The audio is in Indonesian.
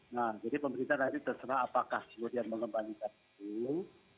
nah jadi pemerintah nanti terserah apakah kemudian mengembalikan itu